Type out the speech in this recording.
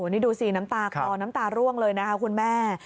นี่ดูสิน้ำตาคลอน้ำตาร่วงเลยนะคะคุณแม่